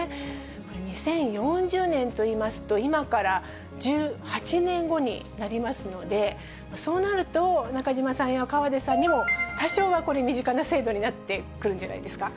これ２０４０年といいますと、今から１８年後になりますので、そうなると、中島さんや河出さんにも多少はこれ、身近な制度になってくるんじゃないですか。